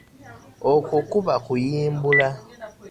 Okwo kuba kuyimbula.